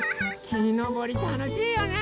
きのぼりたのしいよね！